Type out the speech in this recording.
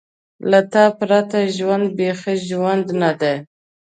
له تا پرته ژوند بېخي ژوند نه دی.